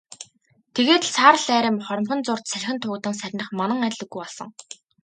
Тэгээд л саарал арми хоромхон зуурт салхинд туугдан сарних манан адил үгүй болсон.